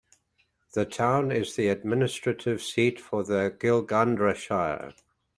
The town is the administrative seat for the Gilgandra Shire.